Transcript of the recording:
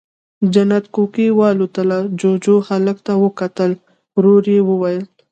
جنت کوکۍ والوته، جُوجُو، هلک ته وکتل، ورو يې وويل: